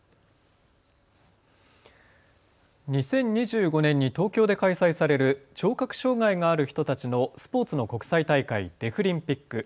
２０２５年に東京で開催される聴覚障害がある人たちのスポーツの国際大会、デフリンピック。